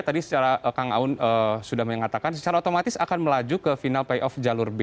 tadi secara kang aun sudah mengatakan secara otomatis akan melaju ke final playoff jalur b